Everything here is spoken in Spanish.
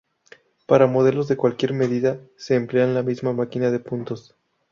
Para modelos de cualquier medida, se emplea la misma máquina de puntos.